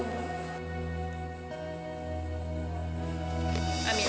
aku mau main